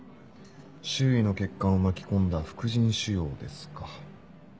周囲の血管を巻き込んだ副腎腫瘍ですか。